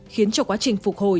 khiến cho quá trình phục hồi